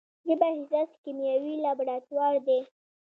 ژبه حساس کیمیاوي لابراتوار دی.